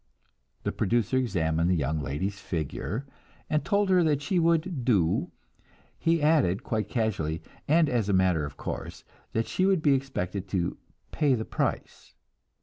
The producer examined the young lady's figure, and told her that she would "do"; he added, quite casually, and as a matter of course, that she would be expected to "pay the price."